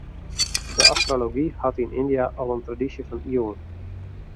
De astrology hat yn Yndia al in tradysje fan iuwen.